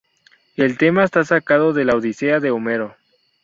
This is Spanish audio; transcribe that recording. El tema está sacado de la "Odisea" de Homero.